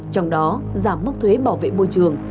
trong đó giảm mức thuế bảo vệ môi trường